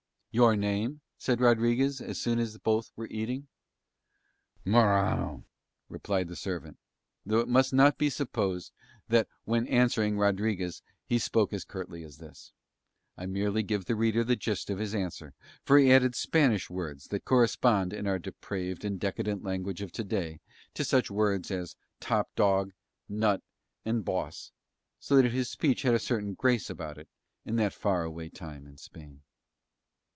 "Your name?" said Rodriguez as soon as both were eating. "Morano," replied the servant, though it must not be supposed that when answering Rodriguez he spoke as curtly as this; I merely give the reader the gist of his answer, for he added Spanish words that correspond in our depraved and decadent language of to day to such words as "top dog," "nut" and "boss," so that his speech had a certain grace about it in that far away time in Spain.